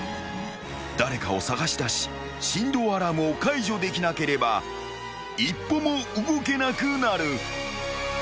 ［誰かを捜し出し振動アラームを解除できなければ一歩も動けなくなる］